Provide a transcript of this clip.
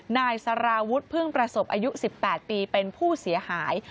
นายสาราวุฒิพึ่งประสบอายุ๑๘ปีเป็นผู้เสียหาย